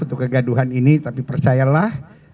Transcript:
untuk kegaduhan ini tapi percayalah